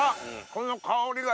この香りがいい！